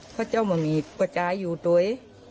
เพราะเจ้ามันมีประจายอยู่ด้วย